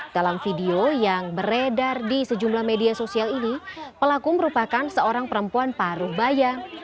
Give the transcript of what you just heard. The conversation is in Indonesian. dalam video yang beredar di sejumlah media sosial ini pelaku merupakan seorang perempuan paruh bayam